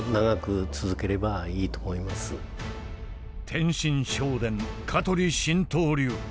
天真正伝香取神道流。